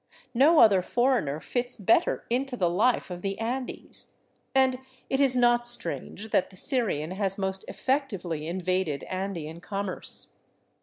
No other foreigner fits better into the life of the Andes, and it is not strange that the Syrian has most effectively invaded Andean commerce.